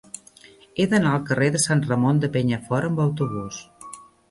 He d'anar al carrer de Sant Ramon de Penyafort amb autobús.